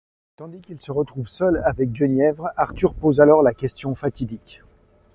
Tandis qu’il se retrouve seul avec Guenièvre, Arthur pose alors la question fatidique.